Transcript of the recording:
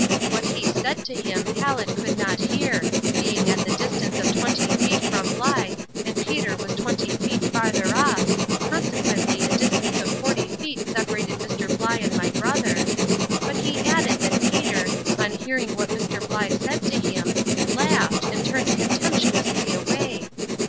What he said to him Hallet could not hear, (being at the distance of twenty feet from Bligh, and Peter was twenty feet farther off, consequently a distance of forty feet separated Mr. Bligh and my brother); but he added that Peter, on hearing what Mr. Bligh said to him, laughed and turned contemptuously away.